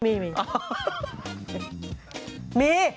เมาค์มี